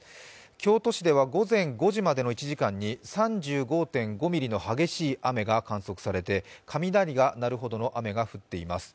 京都市では午前５時までの１時間に３５．５ミリの激しい雨が観測されて雷が鳴るほどの雨が降っています。